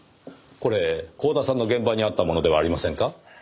これ光田さんの現場にあったものではありませんか？